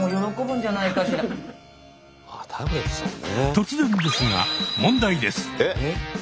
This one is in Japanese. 突然ですが問題です。